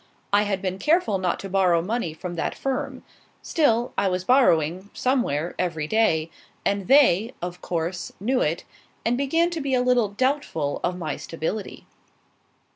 I had been careful not to borrow money from that firm; still, I was borrowing, somewhere, every day, and they, of course, knew it, and began to be a little doubtful of my stability.